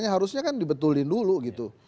harusnya kan dibetulin dulu gitu